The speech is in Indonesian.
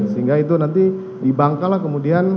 sehingga itu nanti di bangka lah kemudian